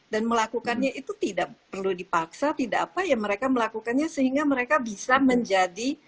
dan melakukannya itu tidak perlu dipaksa tidak apa yang mereka melakukannya sehingga mereka bisa menjadi